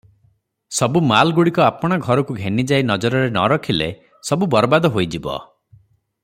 ସବୁ ମାଲଗୁଡିକ ଆପଣା ଘରକୁ ଘେନି ଯାଇ ନଜରରେ ନ ରଖିଲେ ସବୁ ବରବାଦ ହୋଇଯିବ ।"